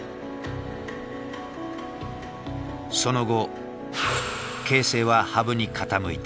その後形勢は羽生に傾いた。